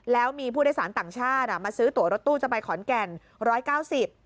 แล้วมีผู้โดยสารต่างชาติอ่ะมาซื้อตัวรถตู้จะไปขอนแก่นร้อยเก้าสิบ